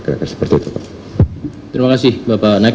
terima kasih bapak